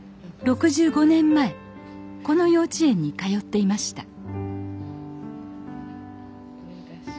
６５年前この幼稚園に通っていました